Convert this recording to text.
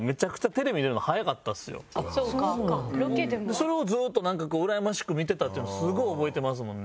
それをずっとうらやましく見てたっていうのすごい覚えてますもんね。